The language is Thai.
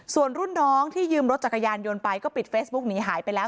ส่วนรุ่นน้องที่ยืมรถจักรยานยนต์ไปก็ปิดเฟซบุ๊กหนีหายไปแล้ว